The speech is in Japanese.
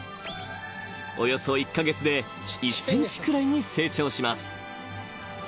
［およそ１カ月で１ｃｍくらいに成長します］